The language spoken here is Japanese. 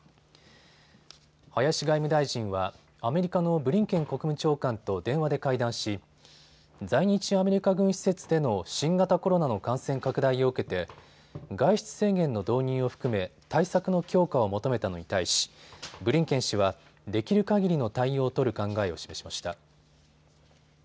林外務大臣はアメリカのブリンケン国務長官と電話で会談し、在日アメリカ軍施設での新型コロナの感染拡大を受けて外出制限の導入を含め対策の強化を求めたのに対しブリンケン氏はできるかぎりの対応を取る考えを示しました。